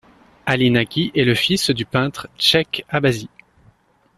Ali Naki est le fils du peintre Sheik Abbasi.